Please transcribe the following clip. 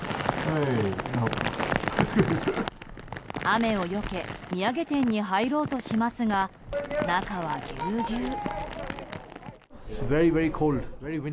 雨をよけ土産店に入ろうとしますが中は、ぎゅうぎゅう。